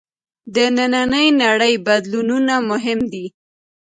د نننۍ نړۍ بدلونونه مهم دي.